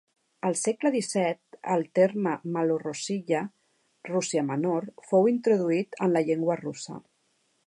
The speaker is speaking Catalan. Al segle disset, el terme "Malorossiya", Rússia Menor, fou introduït en la llengua russa.